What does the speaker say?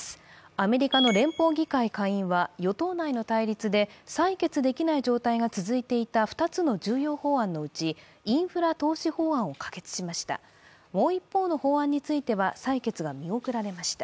アメリカの連邦議会下院は与党内の対立で採決できない状態が続いていた２つの重要法案のうちインフラ投資法案を可決しました。